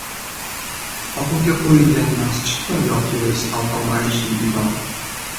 Sotuvga qo‘yilgan masjidmi yoki «savdo-maishiy bino»?